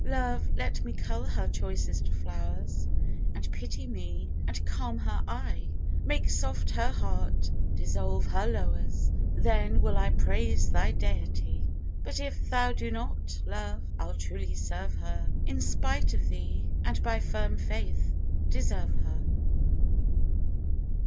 Love, let me cull her choicest flowers, And pity me, and calm her eye; Make soft her heart, dissolve her lowers, Then will I praise thy deity, But if thou do not, Love, I'll truly serve her In spite of thee, and by firm faith deserve her.